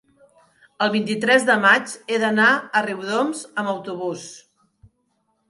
el vint-i-tres de maig he d'anar a Riudoms amb autobús.